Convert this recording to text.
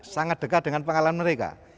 sangat dekat dengan pengalaman mereka